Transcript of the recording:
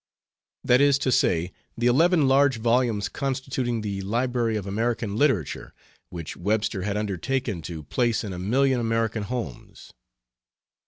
that is to say, the eleven large volumes constituting the Library of American Literature, which Webster had undertaken to place in a million American homes.